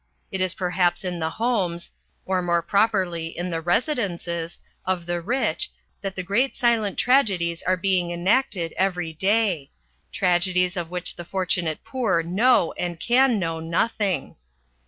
It is perhaps in the homes, or more properly in the residences, of the rich that the great silent tragedies are being enacted every day tragedies of which the fortunate poor know and can know nothing.